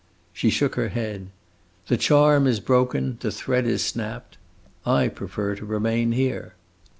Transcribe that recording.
She shook her head. "The charm is broken; the thread is snapped! I prefer to remain here."